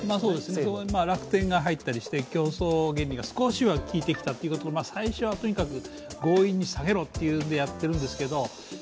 そこに楽天が入ったりして競争原理が少しは効いてきたということ最初はとにかく強引に下げろというのでやっているんですけど。